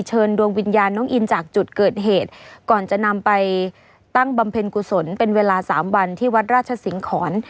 เชิญดวงวิญญาณน้องอินจากจุดเกิดเหตุก่อนจะนำไปตั้งบำเพ็ญกุศลเป็นเวลาสามวันที่วัดราชสิงหอน